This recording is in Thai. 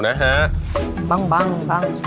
มันเป็นอะไร